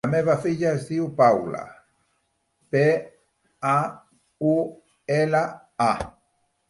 La meva filla es diu Paula: pe, a, u, ela, a.